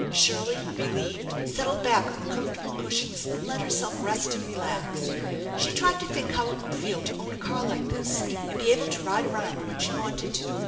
Shirley, relieved, settled back on the comfortable cushions, and let herself rest and relax. She tried to think how it would feel to own a car like this and be able to ride around when she wanted to.